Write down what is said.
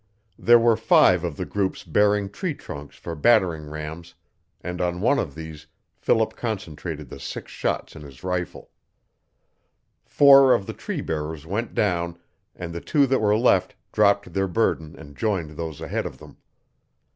There were five of the groups bearing tree trunks for battering rams, and on one of these Philip concentrated the six shots in his rifle. Four of the tree bearers went down, and the two that were left dropped their burden and joined those ahead of them.